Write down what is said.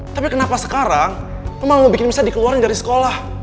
tapi kenapa sekarang emang mau bikin misalnya dikeluarin dari sekolah